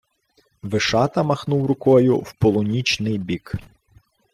Вишата махнув рукою в полунічний бік.